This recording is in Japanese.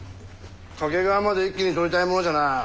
懸川まで一気に取りたいものじゃな。